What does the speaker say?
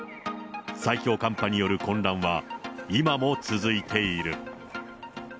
最強寒波による混乱は、今も続いている。